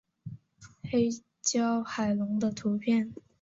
黑胶海龙的图片